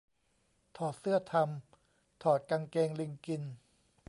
ถอดเสื้อทำ ถอดกางเกงลิงกิน